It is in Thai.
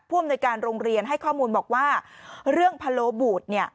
อำนวยการโรงเรียนให้ข้อมูลบอกว่าเรื่องพะโลบูดเนี่ย